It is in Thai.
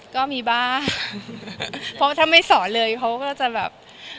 ก็มีบ้างเพราะถ้าไม่สอนเลยเขาก็จะแบบ